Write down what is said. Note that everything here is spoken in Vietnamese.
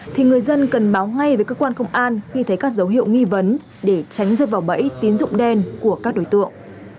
thì người dân cần báo ngay với cơ quan công an khi thấy các dấu hiệu nghi vấn để tránh rơi vào bẫy tín dụng đen của các đối tượng